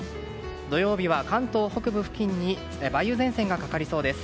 土曜日は関東北部付近に梅雨前線がかかりそうです。